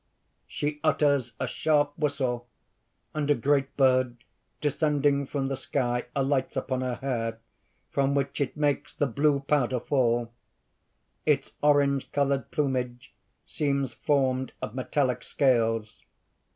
(_She utters a sharp whistle; and a great bird, descending from the sky, alights upon her hair, from which it makes the blue powder fall._ _Its orange colored plumage seems formed of metallic scales.